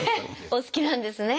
お好きなんですね。